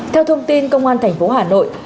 theo thông tin công an tp hà nội